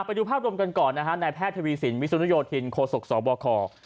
ไปดูภาพรวมกันก่อนนะฮะนายแพทย์ทวีสินวิสุนุโยธินโคศกสบค